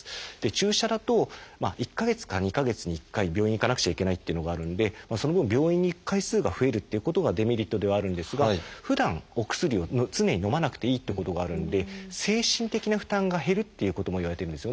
注射だと１か月か２か月に１回病院へ行かなくちゃいけないっていうのがあるんでその分病院に行く回数が増えるということがデメリットではあるんですがふだんお薬を常にのまなくていいっていうことがあるんで精神的な負担が減るっていうこともいわれてるんですよね。